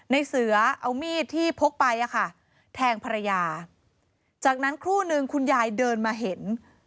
ในเสือเอามีดที่พกไปแทงภรรยาจากนั้นครู่นึงคุณยายเดินมาเห็น